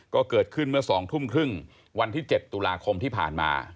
ก็เกิดขึ้นเมื่อ๒ทุ่มครึ่งวันที่๗ตุลาคมที่ผ่านมา